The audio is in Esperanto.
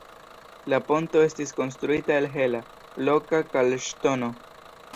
La ponto estis konstruita el hela, loka kalkŝtono.